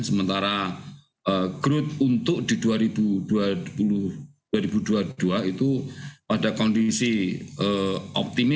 sementara growth untuk di dua ribu dua puluh dua itu pada kondisi optimis